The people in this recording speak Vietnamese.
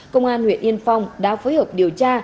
công an huyện yên phong đã phối hợp điều tra